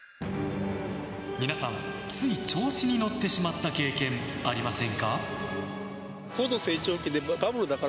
皆さん、つい調子に乗ってしまった経験ありませんか？